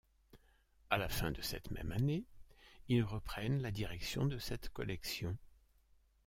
À la fin de cette même année, ils reprennent la direction de cette collection.